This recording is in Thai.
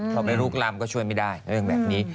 พอไปลุกลำก็ช่วยไม่ได้เรื่องแบบนี้